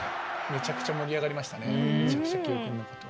めちゃくちゃ盛り上がりましたね。